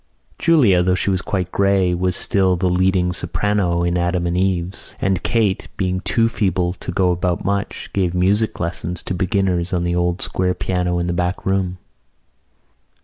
Julia, though she was quite grey, was still the leading soprano in Adam and Eve's, and Kate, being too feeble to go about much, gave music lessons to beginners on the old square piano in the back room.